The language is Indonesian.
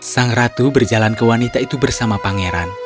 sang ratu berjalan ke wanita itu bersama pangeran